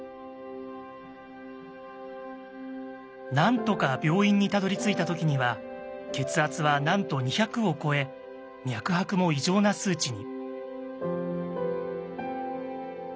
なんとか病院にたどりついた時には血圧はなんと２００を超え脈拍も異常な数値に。